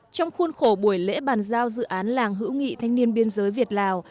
trong khuôn khổ buổi lễ bàn giao dự án làng hữu nghị thanh niên biên giới việt lào